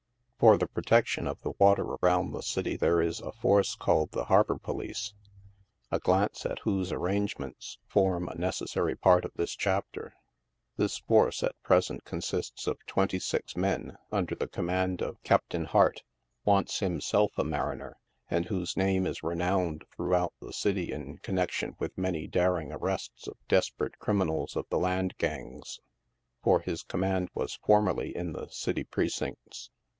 For the protection of the water around the city there is a force called the Harbor Police, a glance at whose arrangements form a necessary part of this chapter. This force, at present, consists of twenty six men, under the command of Captain Hartt, once himself a mariner, and whose name is renowned throughout the city in con nection with many daring arrests of desperate criminals of the land gangs — for his command was formerly in the city precincts.